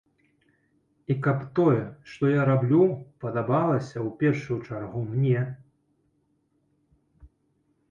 І каб тое, што я раблю, падабалася ў першую чаргу мне.